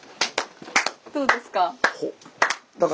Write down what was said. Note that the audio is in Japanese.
どうですか？